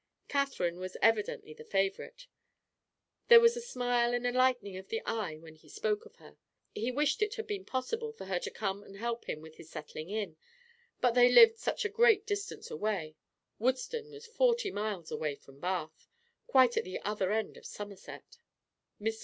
Catherine was evidently the favourite there was a smile and a lightening of the eye when he spoke of her he wished it had been possible for her to come and help him with his settling in, but they lived such a great distance away Woodston was forty miles away from Bath, quite at the other end of Somerset. Mr.